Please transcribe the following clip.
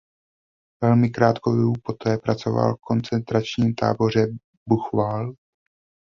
Velmi krátkou dobu poté pracoval v koncentračním táboře Buchenwald.